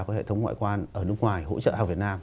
có hệ thống ngoại quan ở nước ngoài hỗ trợ hàng việt nam